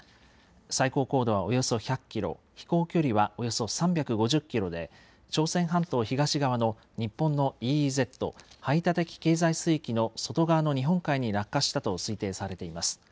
最高高度はおよそ１００キロ、飛行距離はおよそ３５０キロで、朝鮮半島東側の日本のＥＥＺ・排他的経済水域の外側の日本海に落下したと推定されています。